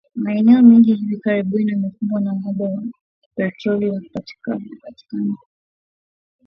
Maeneo mengi hivi karibuni yamekumbwa na uhaba wa petroli na yanapopatikana,